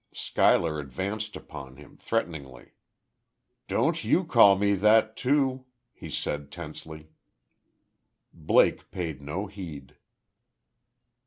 Schuyler advanced upon him, threateningly. "Don't you call me that, too," he said, tensely. Blake paid no heed.